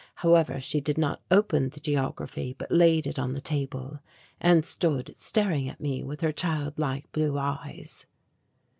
However, she did not open the geography but laid it on the table, and stood staring at me with her child like blue eyes.